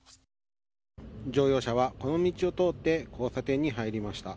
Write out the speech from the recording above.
乗用車はこの道を通って交差点に入りました。